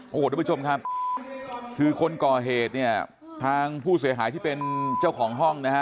โอ้โหทุกผู้ชมครับคือคนก่อเหตุเนี่ยทางผู้เสียหายที่เป็นเจ้าของห้องนะฮะ